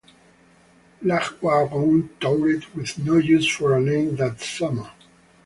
Lagwagon toured with No Use for a Name that summer.